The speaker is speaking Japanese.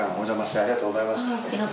ありがとうございます。